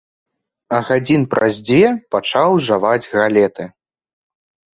А гадзін праз дзве пачаў жаваць галеты.